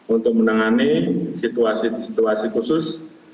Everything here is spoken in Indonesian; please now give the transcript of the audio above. untuk menangani situasi situasi khusus